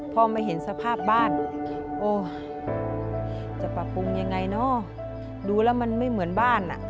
พอมาเห็นสภาพบ้านโอ้จะปรับปรุงยังไงเนอะดูแล้วมันไม่เหมือนบ้านอ่ะ